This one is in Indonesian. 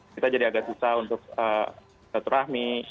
kita jadi agak susah untuk rahmi